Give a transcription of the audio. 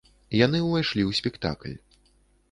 Яны ўвайшлі ў спектакль.